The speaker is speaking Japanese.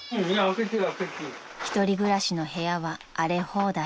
［１人暮らしの部屋は荒れ放題］